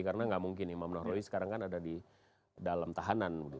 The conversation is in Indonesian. karena nggak mungkin imam nahrawi sekarang kan ada di dalam tahanan